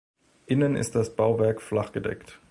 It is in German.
Innen ist das Bauwerk flachgedeckt.